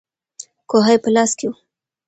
کوهی په لاس کې وو.